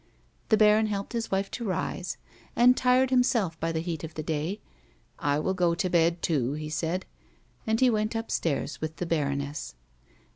The baron helped his wife to rise, and, tired himself by the heat of the day, " 1 will go to bed too," he said. And he went upstairs with the bai'oness.